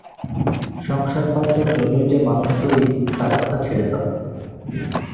সংসার পাতবার জন্যেই যে মানুষ তৈরি তার কথা ছেড়ে দাও।